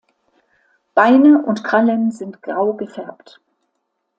Beine und Krallen sind grau gefärbt.